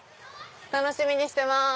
楽しみにしてます。